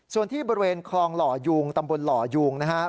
ส่วนที่บริเวณคลองหล่อยูงตำบลหล่อยูงนะครับ